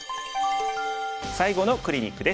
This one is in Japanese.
最後のクリニックです。